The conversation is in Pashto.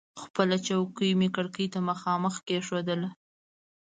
خپله چوکۍ مې کړکۍ ته مخامخ کېښودله.